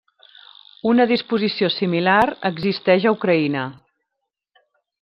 Una disposició similar existeix a Ucraïna.